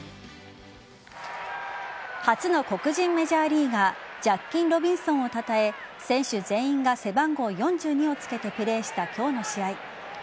初の黒人メジャーリーガージャッキー・ロビンソンをたたえ選手全員が背番号４２をつけてプレーした今日の試合。